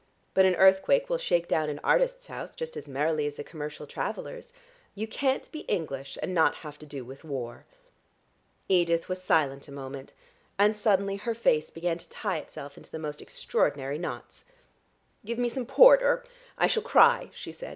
But an earthquake will shake down an artist's house just as merrily as a commercial traveller's. You can't be English, and not have to do with war." Edith was silent a moment, and suddenly her face began to tie itself into the most extraordinary knots. "Give me some port or I shall cry," she said.